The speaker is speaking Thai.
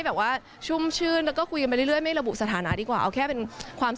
เพื่อนกันค่ะ